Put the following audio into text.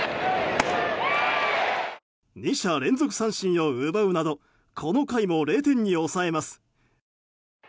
２者連続三振を奪うなどこの回も０点に抑えます。